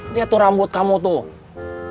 lihat tuh rambut kamu tuh